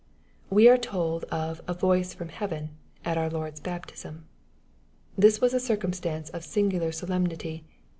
'' We are told of " a voice from heaven" at our Lord's baptism. This was a circumstance of singular solemnity.